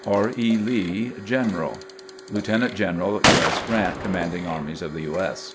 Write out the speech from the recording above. R. B. Lee, General. Lieutenant general U. S. Grant, Commanding Armies of the U. S.